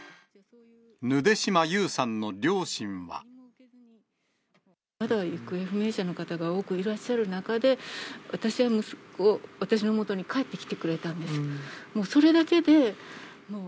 まだ行方不明者の方が多くいらっしゃる中で、私は息子、私のもとに帰ってきてくれたんです、もうそれだけで、もう。